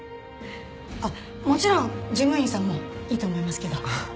あっもちろん事務員さんもいいと思いますけど。